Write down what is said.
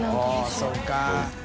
そうか。